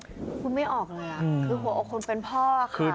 วันนี้ไม่ออกเลยอะคือหัวอกคุณเป็นพ่อค่ะ